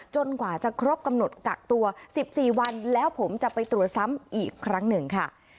กว่าจะครบกำหนดกักตัว๑๔วันแล้วผมจะไปตรวจซ้ำอีกครั้งหนึ่งค่ะ